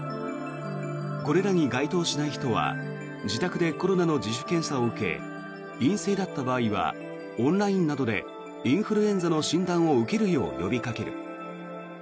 これらに該当しない人は自宅でコロナの自主検査を受け陰性だった場合はオンラインなどでインフルエンザの診断を受けるよう呼びかける。